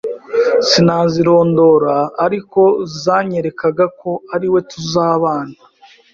sinazirondora ariko zanyerekaga ko ariwe tuzabana